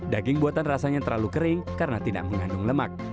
daging buatan rasanya terlalu kering karena tidak mengandung lemak